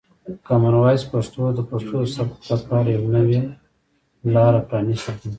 کامن وایس پښتو د پښتو د ثبت لپاره یوه نوې لاره پرانیستې ده.